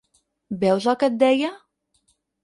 Veus el que et deia?